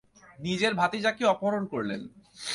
নিজেরই ভাতিজাকেই অপহরণ করলেন।